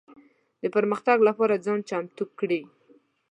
د پرمختګ لپاره ځان چمتو کړي.